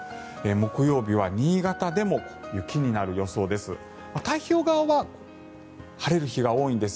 木曜日は新潟でも雪になる予想です。